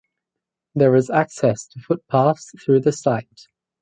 There is access to footpaths through the site.